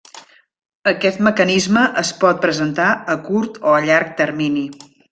Aquest mecanisme es pot presentar a curt o a llarg termini.